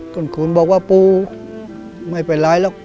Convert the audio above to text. คุณขูนบอกว่าปูไม่เป็นไรหรอก